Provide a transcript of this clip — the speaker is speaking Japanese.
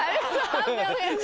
判定お願いします。